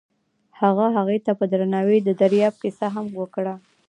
هغه هغې ته په درناوي د دریاب کیسه هم وکړه.